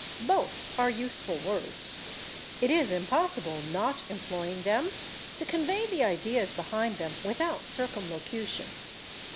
Both are useful words; it is impossible, not employing them, to convey the ideas behind them without circumlocution.